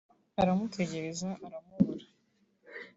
aramutegereza aramubura